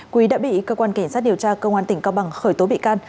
quý đã bị cơ quan cảnh sát điều tra công an tỉnh cao bằng khởi tố bị can